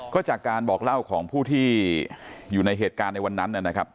ก็จากการบอกเล่าของผู้ที่อยู่ในเหตุการณ์ในวันนั้นนะครับ